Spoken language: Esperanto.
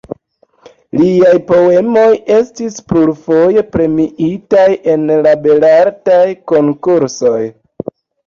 Liaj poemoj estis plurfoje premiitaj en la Belartaj Konkursoj.